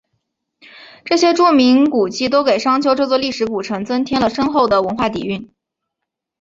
这些著名古迹都给商丘这座历史古城增添了深厚的文化底蕴。